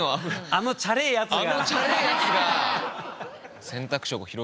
あのチャれえやつが。